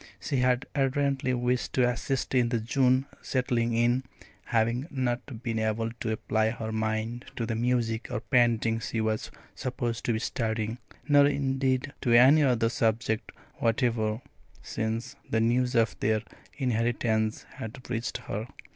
She had ardently wished to assist in the June "settling in," having not been able to apply her mind to the music or painting she was supposed to be studying, nor indeed to any other subject whatever, since the news of their inheritance had reached her.